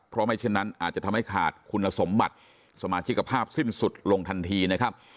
เพราะไม่เช่นนั้นอาจจะทำให้ขาดคุณสมบัติสมาชิกภาพสิ้นสุดลงทันทีนะครับ